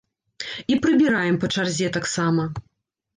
І прыбіраем па чарзе таксама.